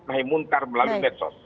kita mulai muntar melalui medsos